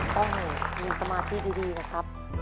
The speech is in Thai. ต้องมีสมาธิดีนะครับ